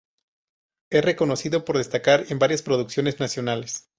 Es reconocido por destacar en varias producciones nacionales.